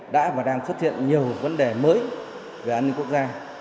đã và đang xuất hiện nhiều vấn đề mới về an ninh quốc gia